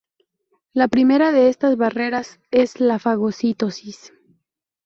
La primera de estas barreras es la fagocitosis.